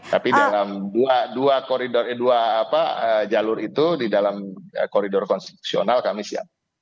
tapi dalam dua jalur itu di dalam koridor konstitusional kami siap